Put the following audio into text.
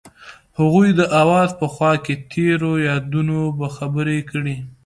هغوی د اواز په خوا کې تیرو یادونو خبرې کړې.